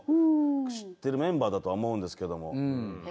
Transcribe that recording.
知っているメンバーだと思うんですけれども。